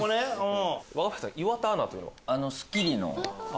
若林さん「岩田アナ」というのは？